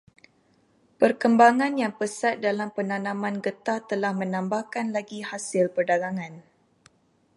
Perkembangan yang pesat dalam penanaman getah telah menambahkan lagi hasil perdagangan.